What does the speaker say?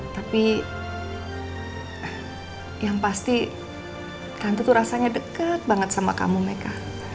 tapi yang pasti tante tuh rasanya deket banget sama kamu mereka